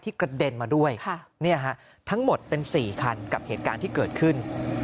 กระเด็นมาด้วยทั้งหมดเป็น๔คันกับเหตุการณ์ที่เกิดขึ้น